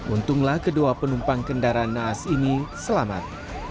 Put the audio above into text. untunglah kedua penumpang kendaraan naas ini selamat